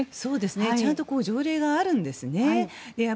ちゃんと条例があるんですね。